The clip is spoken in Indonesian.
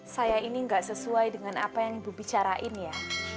saya ini nggak sesuai dengan apa yang ibu bicarain ya